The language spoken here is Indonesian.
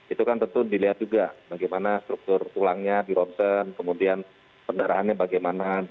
itu kan tentu dilihat juga bagaimana struktur tulangnya di ronsen kemudian pendarahannya bagaimana